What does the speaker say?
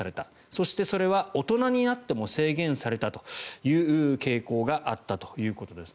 そして、それは大人になっても制限されたという傾向があったということです。